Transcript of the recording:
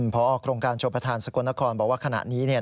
พอโครงการชมประธานสกลนครบอกว่าขณะนี้เนี่ย